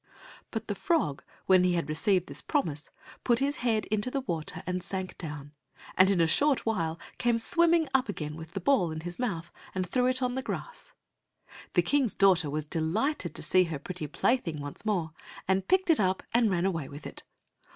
But the frog when he had received this promise, put his head into the water and sank down, and in a short while came swimmming up again with the ball in his mouth, and threw it on the grass. The King's daughter was delighted to see her pretty plaything once more, and picked it up, and ran away with it.